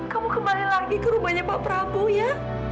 kamu kembali lagi ke rumahnya pak prabowo ya